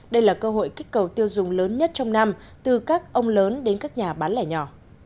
đây là cơ hội kích cầu tiêu dùng lớn nhất trong năm từ các ông lớn đến các nhà bán lẻ nhỏ